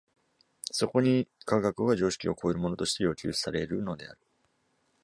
そこに科学が常識を超えるものとして要求されるのである。